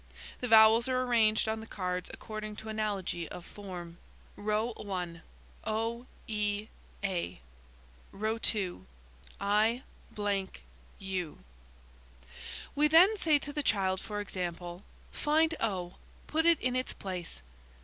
The vowels are arranged on the cards according to analogy of form: o e a i u "We then say to the child, for example, 'Find o. Put it in its place.'